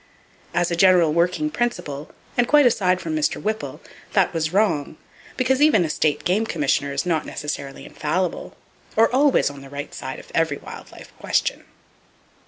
As a general working principle, and quite aside from Mr. Whipple, that was wrong; because even a State game commissioner is not necessarily infallible, or always on the right side of every wild life question.